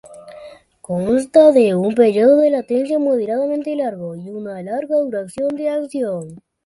Consta de un periodo de latencia moderadamente largo y una larga duración de acción.